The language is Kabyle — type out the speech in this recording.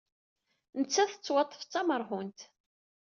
Nettat tettwaḍḍef d tameṛhunt.